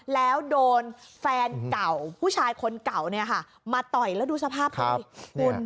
แล้วโดนแฟนเก่าผู้ชายคนเก่าเนี่ยค่ะมาต่อยแล้วดูสภาพเขาสิคุณ